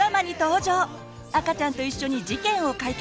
赤ちゃんと一緒に事件を解決！